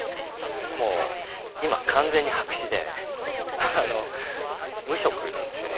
もう今完全に白紙で無色なんですよね